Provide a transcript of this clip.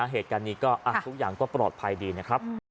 เหตุการณ์นี้ก็ทุกอย่างก็ปลอดภัยดีนะครับ